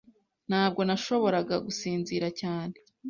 Ntabwo nashoboraga gusinzira cyane.